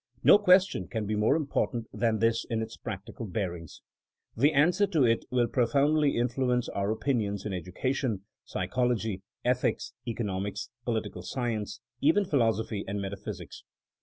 No question can be more important than this in its practical bearings. The answer to it will profoundly influence our opinions in education, psychology, ethics, economics, political science —even philosophy and metaphysics.